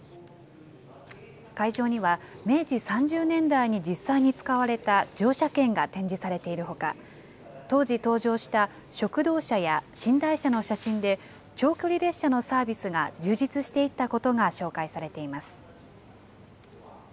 会場には、明治３０年代に実際に使われた乗車券が展示されているほか、当時登場した食堂車や寝台車の写真で、長距離列車のサービスが充実していったことが紹介されています。